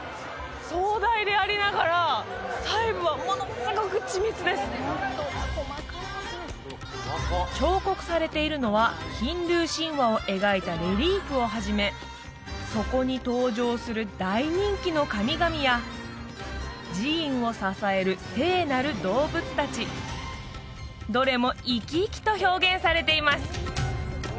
壮大でありながら細部はものすごく緻密です彫刻されているのはヒンドゥー神話を描いたレリーフをはじめそこに登場する大人気の神々や寺院を支える聖なる動物達どれもいきいきと表現されています